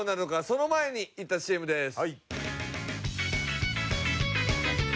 その前にいったんＣＭです。